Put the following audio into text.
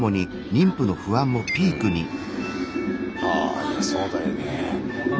あいやそうだよね。